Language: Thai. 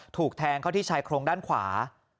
ถูกแทงเข้าที่ชายโครงด้านขวา